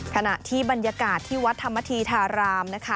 ขณะที่บรรยากาศที่วัดธรรมธีธารามนะคะ